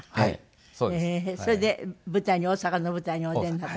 それで大阪の舞台にお出になって。